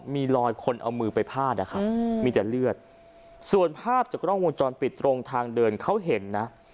มีรอยคนเอามือไปพาดนะครับมีแต่เลือดส่วนภาพจากกล้องวงจรปิดตรงทางเดินเขาเห็นนะ